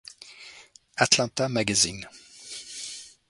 Atlanta Magazine.